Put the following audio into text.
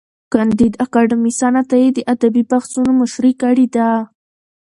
کانديد اکاډميسن عطايي د ادبي بحثونو مشري کړې ده.